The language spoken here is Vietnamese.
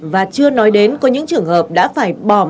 và chưa nói đến có những trường hợp đã phải bỏ